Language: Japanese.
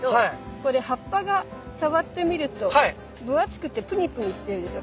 これ葉っぱが触ってみると分厚くてプニプニしてるでしょ。